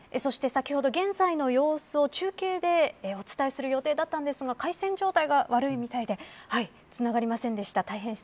先ほど、現在の様子を中継でお伝えする予定だったんですが回線状態が悪いようでつながりませんでした。